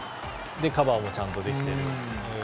カバーもちゃんとできてると。